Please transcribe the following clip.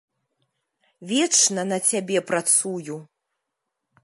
Вечна на цябе працую.